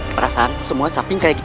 perasaan semua samping kayak gini